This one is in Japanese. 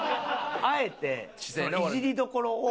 あえてイジりどころを。